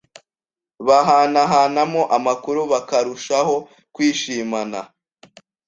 bahanahanamo amakuru bakarushaho kwishimana.